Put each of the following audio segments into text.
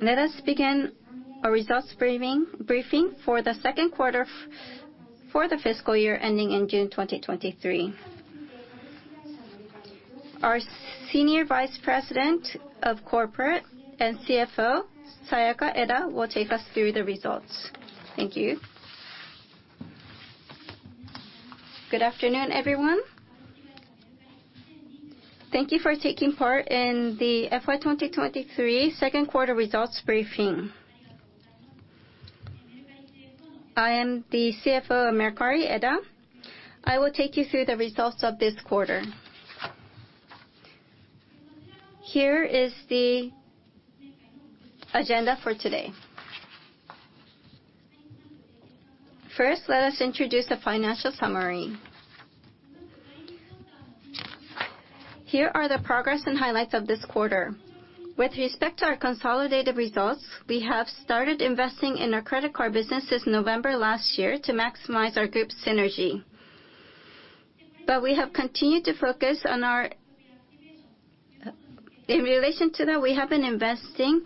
Let us begin our results briefing for the second quarter for the fiscal year ending in June 2023. Our Senior Vice President of Corporate and CFO, Sayaka Eda, will take us through the results. Thank you. Good afternoon, everyone. Thank you for taking part in the FY2023 second quarter results briefing.I am the CFO of Mercari, Eda. I will take you through the results of this quarter. Here is the agenda for today. First, let us introduce the financial summary. Here are the progress and highlights of this quarter. With respect to our consolidated results, we have started investing in our credit card business since November last year to maximize our group synergy. We have continued to focus on our... In relation to that, we have been investing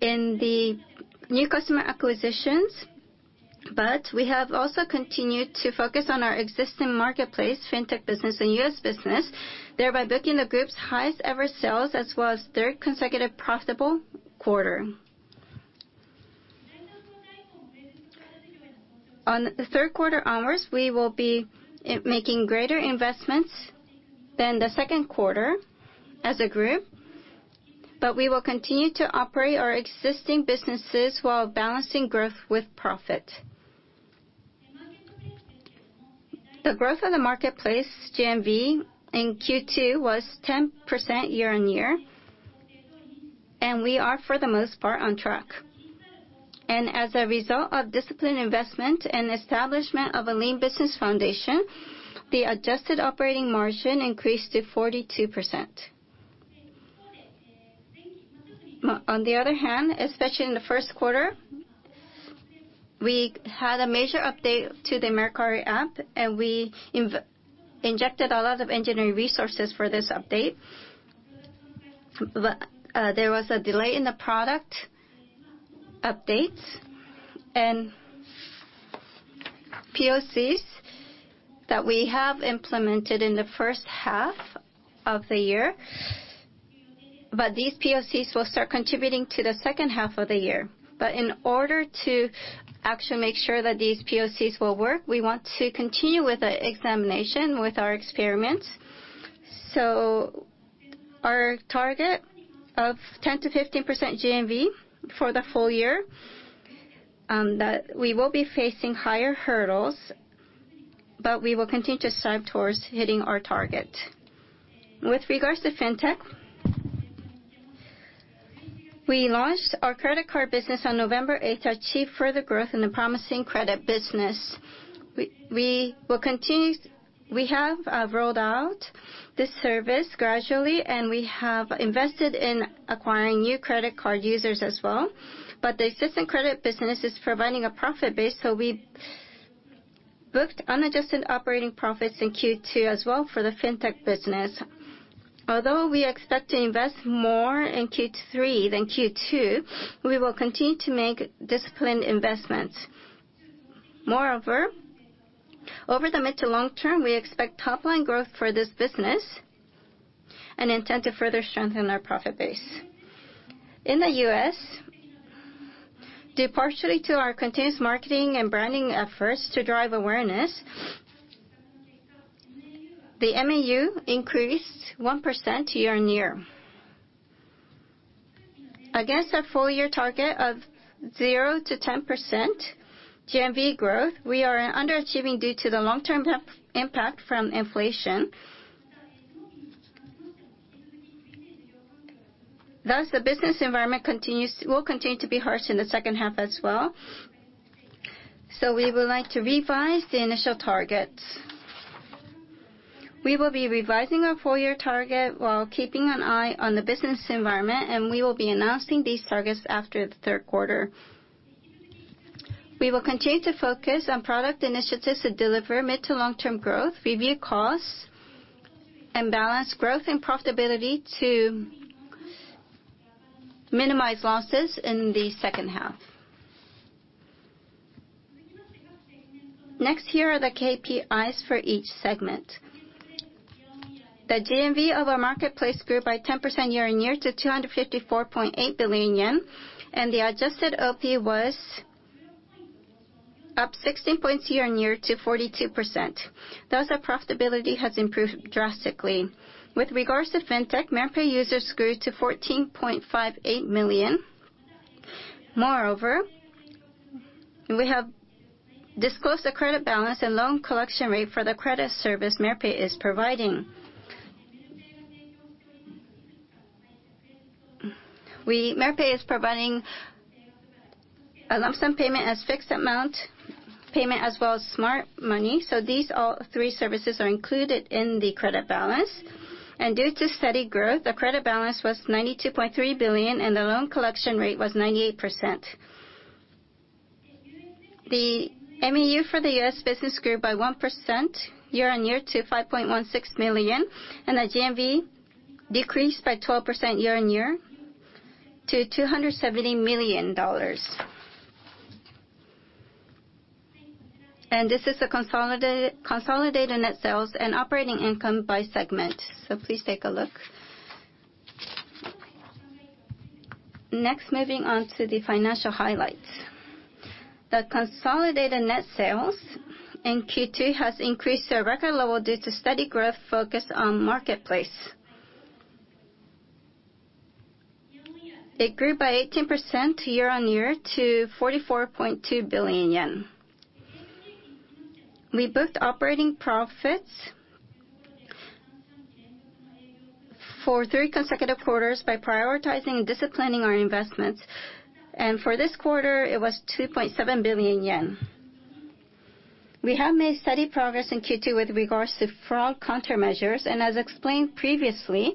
in the new customer acquisitions, but we have also continued to focus on our existing marketplace, fintech business, and U.S. business, thereby booking the group's highest ever sales, as well as third consecutive profitable quarter. On the third quarter onward, we will be making greater investments than the second quarter as a group, but we will continue to operate our existing businesses while balancing growth with profit. The growth of the marketplace GMV in Q2 was 10% year-on-year, and we are, for the most part, on track. As a result of disciplined investment and establishment of a lean business foundation, the Adjusted operating margin increased to 42%. On the other hand, especially in the first quarter, we had a major update to the Mercari app, and we injected a lot of engineering resources for this update. There was a delay in the product updates and POCs that we have implemented in the first half of the year. These POCs will start contributing to the second half of the year. In order to actually make sure that these POCs will work, we want to continue with the examination with our experiments. Our target of 10%–15% GMV for the full year, that we will be facing higher hurdles. We will continue to strive towards hitting our target. With regards to fintech, we launched our credit card business on November 8th to achieve further growth in the promising credit business. We will continue. We have rolled out this service gradually, and we have invested in acquiring new credit card users as well, the existing credit business is providing a profit base, we booked unadjusted operating profits in Q2 as well for the fintech business. Although we expect to invest more in Q3 than Q2, we will continue to make disciplined investments. Moreover, over the mid- to long-term, we expect top line growth for this business and intend to further strengthen our profit base. In the U.S., due partially to our continuous marketing and branding efforts to drive awareness, the MAU increased 1% year-on-year. Against our full-year target of 0%-10% GMV growth, we are underachieving due to the long-term impact from inflation. Thus, the business environment will continue to be harsh in the second half as well. We would like to revise the initial targets. We will be revising our full-year target while keeping an eye on the business environment, and we will be announcing these targets after the third quarter. We will continue to focus on product initiatives that deliver mid- to long-term growth, review costs, and balance growth and profitability to minimize losses in the second half. Here are the KPIs for each segment. The GMV of our marketplace grew by 10% year-on-year to 254.8 billion yen. The Adjusted OP was up 16 points year-on-year to 42%, thus our profitability has improved drastically. With regards to fintech, Mercari users grew to 14.58 million. We have disclosed the credit balance and loan collection rate for the credit service Merpay is providing. Merpay provides lump-sum payments and fixed-amount payments as well as Smart Money, so these all three services are included in the credit balance. Due to steady growth, the credit balance was 92.3 billion, and the loan collection rate was 98%. The MAU for the U.S. business grew by 1% year-on-year to 5.16 million, and the GMV decreased by 12% year-on-year to $270 million. This is the consolidated net sales and operating income by segment, so please take a look. Next, moving on to the financial highlights. The consolidated net sales in Q2 has increased to a record level due to steady growth focused on marketplace. It grew by 18% year-on-year to 44.2 billion yen. We booked operating profits for three consecutive quarters by prioritizing and disciplining our investments. For this quarter, it was 2.7 billion yen. We have made steady progress in Q2 with regards to fraud countermeasures, and as explained previously,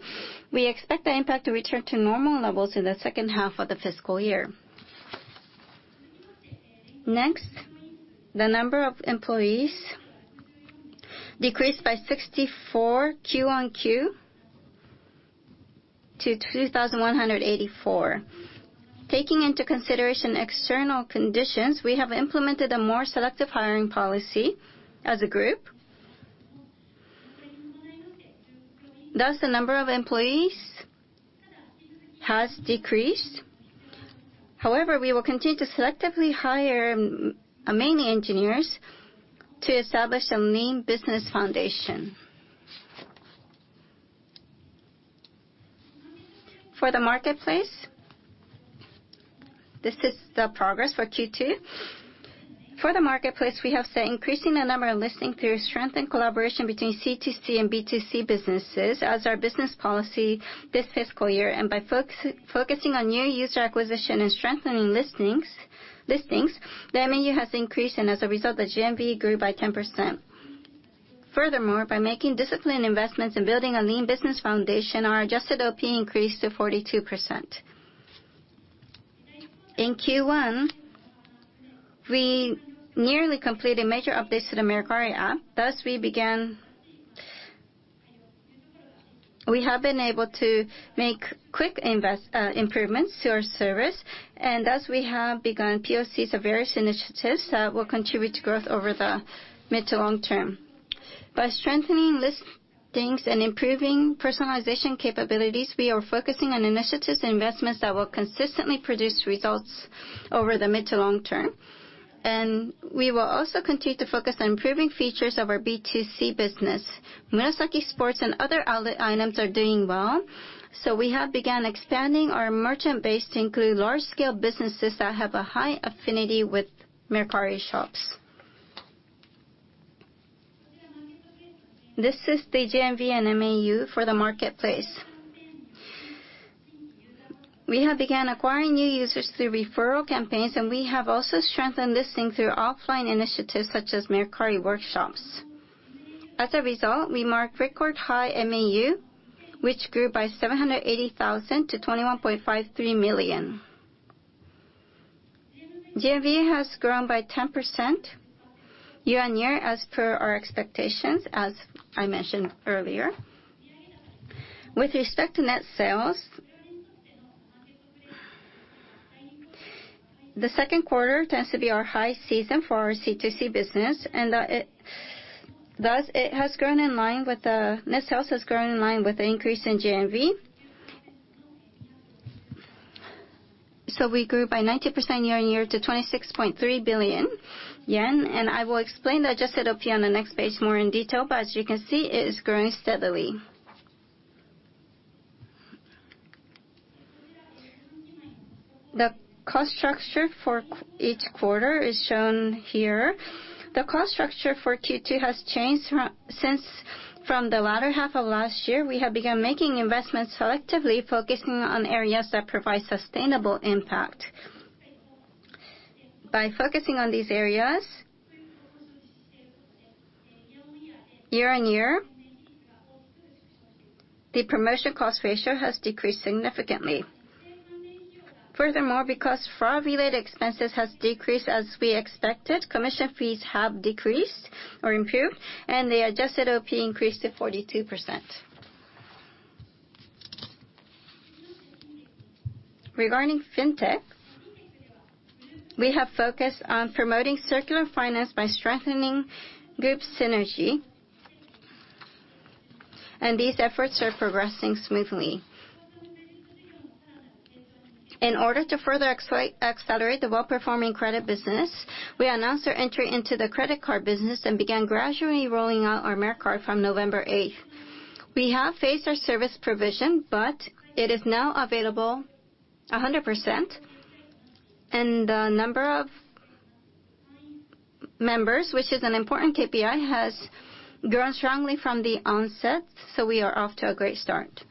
we expect the impact to return to normal levels in the second half of the fiscal year. Next, the number of employees decreased by 64 QoQ to 3,184. Taking into consideration external conditions, we have implemented a more selective hiring policy as a group. Thus, the number of employees has decreased. However, we will continue to selectively hire mainly engineers to establish a main business foundation. For the marketplace, this is the progress for Q2. For the marketplace, we have set increasing the number of listings through strengthened collaboration between C2C and B2C businesses as our business policy this fiscal year. By focusing on new user acquisition and strengthening listings, the MAU has increased, and as a result, the GMV grew by 10%. Furthermore, by making disciplined investments and building a lean business foundation, our adjusted OP increased to 42%. In Q1, we nearly completed major updates to the Mercari app. We have been able to make quick improvements to our service. Thus, we have begun POCs of various initiatives that will contribute to growth over the mid- to long-term. By strengthening listings and improving personalization capabilities, we are focusing on initiatives and investments that will consistently produce results over the mid- to long-term. We will also continue to focus on improving features of our B2C business. Murasaki Sports and other outlet items are doing well, we have begun expanding our merchant base to include large-scale businesses that have a high affinity with Mercari Shops. This is the GMV and MAU for the marketplace. We have began acquiring new users through referral campaigns, and we have also strengthened listings through offline initiatives such as Mercari Workshops. As a result, we marked record high MAU, which grew by 780,000 to 21.53 million. GMV has grown by 10% year-on-year, as per our expectations, as I mentioned earlier. With respect to net sales, the second quarter tends to be our high season for our C2C business, and net sales has grown in line with the increase in GMV. We grew by 90% year-on-year to 26.3 billion yen. I will explain the adjusted OP on the next page more in detail, but as you can see, it is growing steadily. The cost structure for each quarter is shown here. The cost structure for Q2 has changed since from the latter half of last year. We have began making investments selectively, focusing on areas that provide sustainable impact. By focusing on these areas, year-on-year, the promotion cost ratio has decreased significantly. Furthermore, because fraud-related expenses has decreased as we expected, commission fees have decreased or improved, and the adjusted OP increased to 42%. Regarding Fintech, we have focused on promoting circular finance by strengthening group synergy, and these efforts are progressing smoothly. In order to further accelerate the well-performing credit business, we announced our entry into the credit card business and began gradually rolling out our Mercard from November 8th. We have phased our service provision, but it is now available 100%, and the number of members, which is an important KPI, has grown strongly from the onset. We are off to a great start.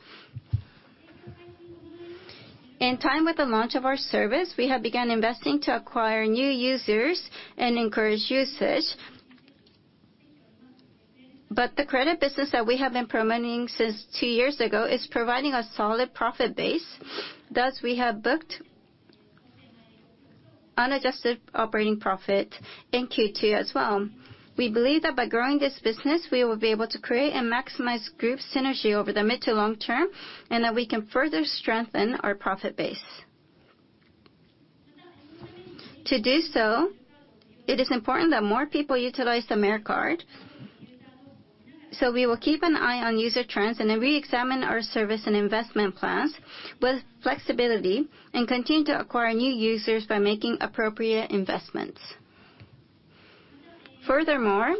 In time with the launch of our service, we have began investing to acquire new users and encourage usage. The credit business that we have been promoting since two years ago is providing a solid profit base. Thus, we have booked unadjusted operating profit in Q2 as well. We believe that by growing this business, we will be able to create and maximize group synergy over the mid- to long-term, and that we can further strengthen our profit base. To do so, it is important that more people utilize the Mercard, so we will keep an eye on user trends and reexamine our service and investment plans with flexibility and continue to acquire new users by making appropriate investments. Furthermore,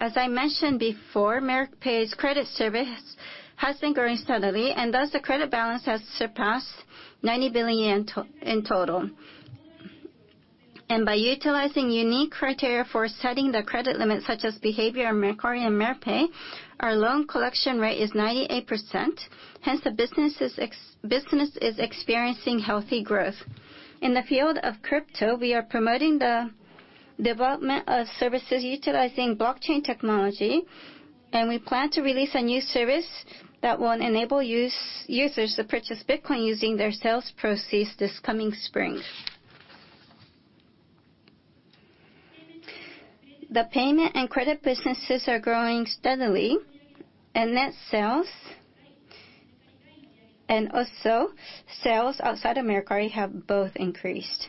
as I mentioned before, Merpay's credit service has been growing steadily, and thus, the credit balance has surpassed 90 billion in total. By utilizing unique criteria for setting the credit limit, such as behavior on Mercari and Merpay, our loan collection rate is 98%. Hence, the business is experiencing healthy growth. In the field of crypto, we are promoting the development of services utilizing blockchain technology, and we plan to release a new service that will enable users to purchase Bitcoin using their sales proceeds this coming spring. The payment and credit businesses are growing steadily, net sales and also sales outside of Mercari have both increased.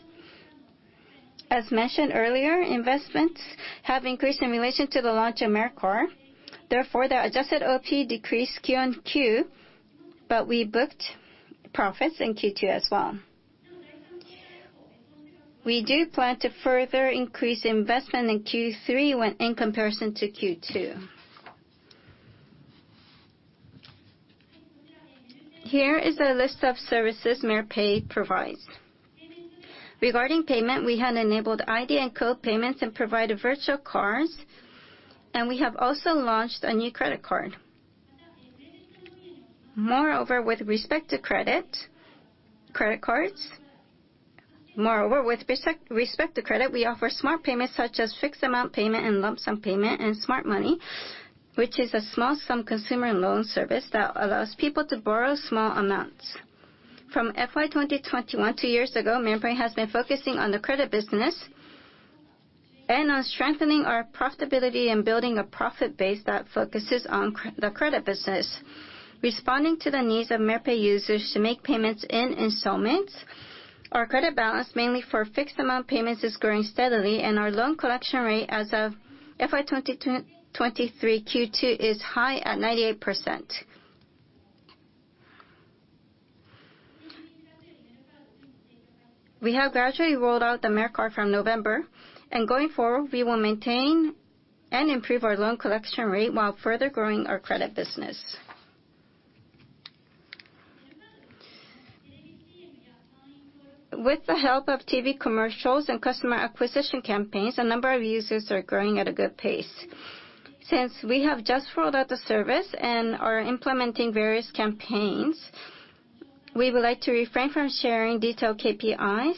As mentioned earlier, investments have increased in relation to the launch of Mercard. The adjusted OP decreased QoQ, but we booked profits in Q2 as well. We do plan to further increase investment in Q3 when in comparison to Q2. Here is a list of services Merpay provides. Regarding payment, we had enabled iD and code payments and provided virtual cards, we have also launched a new credit card. Moreover, with respect to credit, we offer Smart Payments such as fixed amount payment and lump sum payment and Smart Money, which is a small-sum consumer loan service that allows people to borrow small amounts. From FY2021, two years ago, Merpay has been focusing on the credit business and on strengthening our profitability and building a profit base that focuses on the credit business. Responding to the needs of Merpay users to make payments in installments, our credit balance, mainly for fixed amount payments, is growing steadily, and our loan collection rate as of FY2023 Q2 is high at 98%. We have gradually rolled out the Mercard from November, and going forward, we will maintain and improve our loan collection rate while further growing our credit business. With the help of TV commercials and customer acquisition campaigns, the number of users are growing at a good pace. Since we have just rolled out the service and are implementing various campaigns, we would like to refrain from sharing detailed KPIs.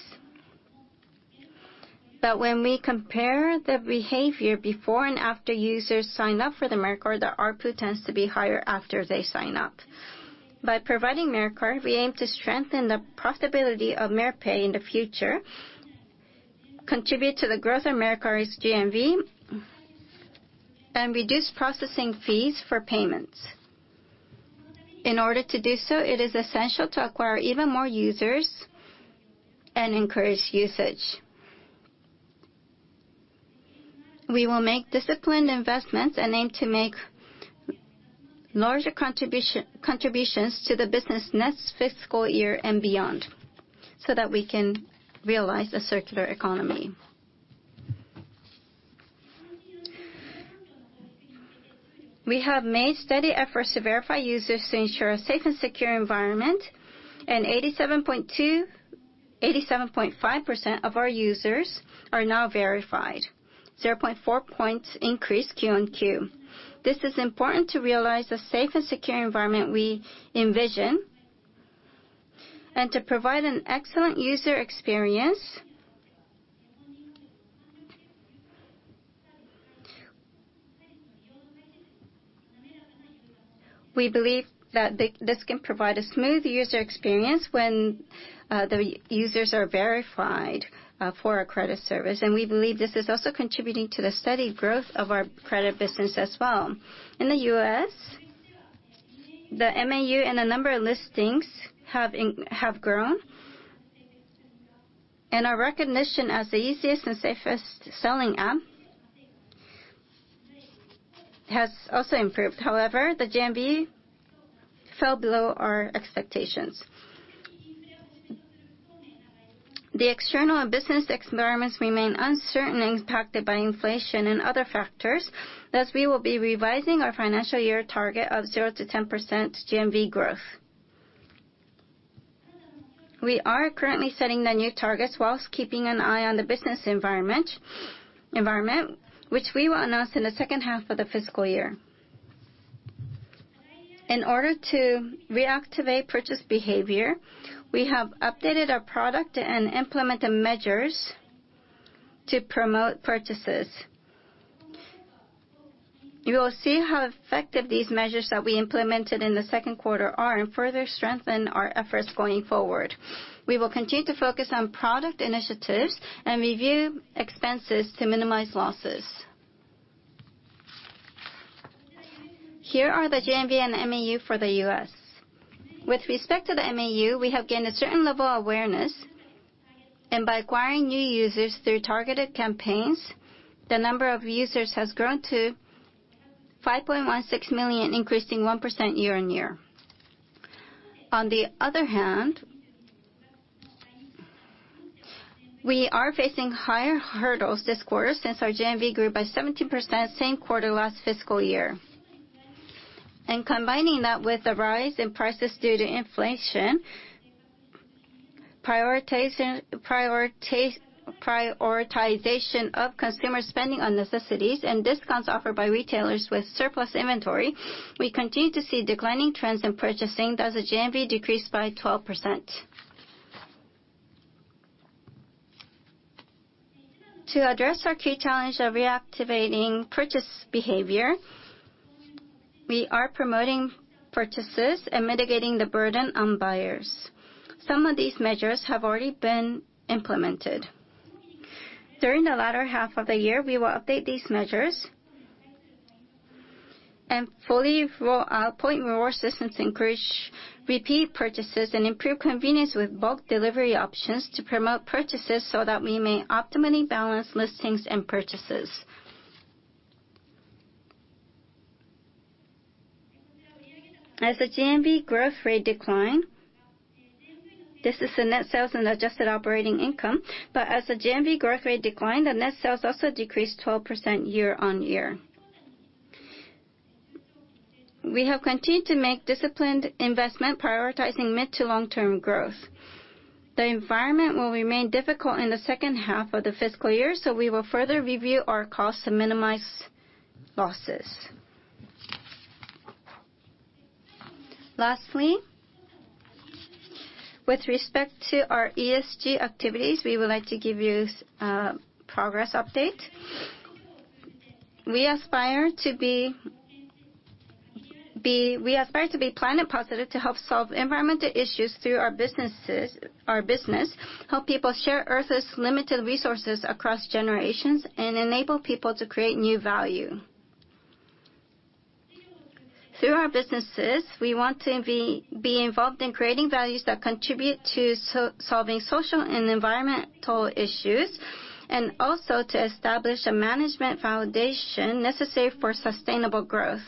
When we compare the behavior before and after users sign up for the Mercard, the ARPU tends to be higher after they sign up. By providing Mercard, we aim to strengthen the profitability of Merpay in the future, contribute to the growth of Mercari's GMV, and reduce processing fees for payments. In order to do so, it is essential to acquire even more users and encourage usage. We will make disciplined investments and aim to make larger contributions to the business next fiscal year and beyond so that we can realize a circular economy. We have made steady efforts to verify users to ensure a safe and secure environment, and 87.5% of our users are now verified, 0.4-point increase QoQ. This is important to realize the safe and secure environment we envision and to provide an excellent user experience. We believe that this can provide a smooth user experience when the users are verified for our credit service. We believe this is also contributing to the steady growth of our credit business as well. In the U.S., the MAU and the number of listings have grown. Our recognition as the easiest and safest selling app has also improved. The GMV fell below our expectations. The external and business environments remain uncertain, impacted by inflation and other factors, thus we will be revising our financial year target of 0%-10% GMV growth. We are currently setting the new targets whilst keeping an eye on the business environment which we will announce in the second half of the fiscal year. In order to reactivate purchase behavior, we have updated our product and implemented measures to promote purchases. You will see how effective these measures that we implemented in the second quarter are, and further strengthen our efforts going forward. We will continue to focus on product initiatives and review expenses to minimize losses. Here are the GMV and MAU for the U.S. With respect to the MAU, we have gained a certain level of awareness, and by acquiring new users through targeted campaigns, the number of users has grown to 5.16 million, increasing 1% year-on-year. On the other hand, we are facing higher hurdles this quarter since our GMV grew by 17% same quarter last fiscal year. Combining that with the rise in prices due to inflation, prioritization of consumer spending on necessities and discounts offered by retailers with surplus inventory, we continue to see declining trends in purchasing, thus the GMV decreased by 12%. To address our key challenge of reactivating purchase behavior, we are promoting purchases and mitigating the burden on buyers. Some of these measures have already been implemented. During the latter half of the year, we will update these measures and fully roll out point reward systems to encourage repeat purchases and improve convenience with bulk delivery options to promote purchases so that we may optimally balance listings and purchases. As the GMV growth rate declined, this is the net sales and Adjusted Operating Income. As the GMV growth rate declined, the net sales also decreased 12% year-on-year. We have continued to make disciplined investment, prioritizing mid- to long-term growth. The environment will remain difficult in the second half of the fiscal year, so we will further review our costs to minimize losses. Lastly, with respect to our ESG activities, we would like to give you a progress update. We aspire to be Planet Positive to help solve environmental issues through our business, help people share Earth's limited resources across generations, and enable people to create new value. Through our businesses, we want to be involved in creating values that contribute to solving social and environmental issues, and also to establish a management foundation necessary for sustainable growth.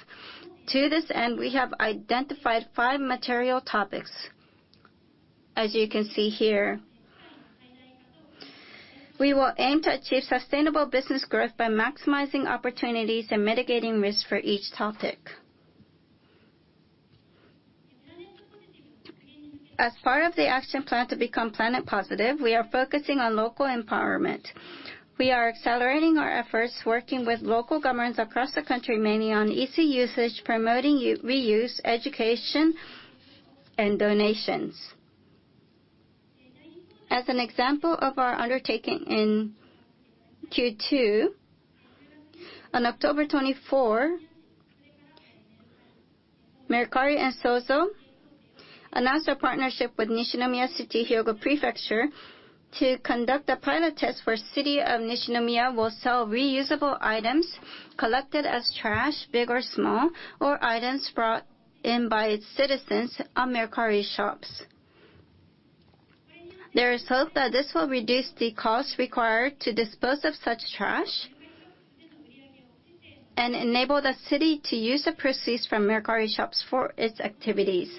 To this end, we have identified five material topics. As you can see here. We will aim to achieve sustainable business growth by maximizing opportunities and mitigating risks for each topic. As part of the action plan to become Planet Positive, we are focusing on local empowerment. We are accelerating our efforts, working with local governments across the country, mainly on easy usage, promoting reuse, education, and donations. As an example of our undertaking in Q2, on October 24, Mercari and Souzoh announced a partnership with Nishinomiya City, Hyogo Prefecture, to conduct a pilot test where City of Nishinomiya will sell reusable items collected as trash—big or small—or items brought in by its citizens on Mercari Shops. There is hope that this will reduce the cost required to dispose of such trash, and enable the city to use the proceeds from Mercari Shops for its activities.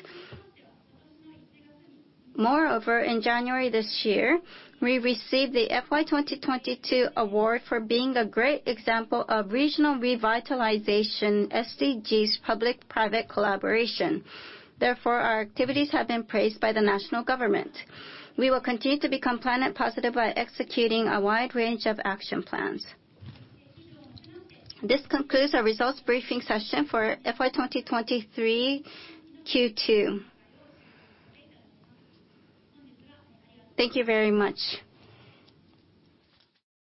In January this year, we received the FY2022 award for being a great example of regional revitalization SDGs public-private collaboration. Our activities have been praised by the national government. We will continue to become Planet Positive by executing a wide range of action plans. This concludes our results briefing session for FY2023 Q2. Thank you very much.